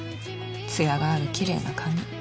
艶があるきれいな髪。